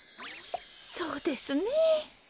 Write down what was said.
そうですね。